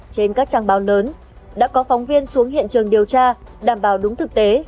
trên các trang báo lớn đã có phóng viên xuống hiện trường điều tra đảm bảo đúng thực tế